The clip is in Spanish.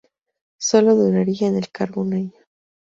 Sólo duraría en el cargo un año.